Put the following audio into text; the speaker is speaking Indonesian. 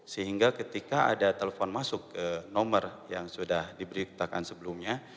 sehingga ketika ada telepon masuk ke nomor yang sudah diberitakan sebelumnya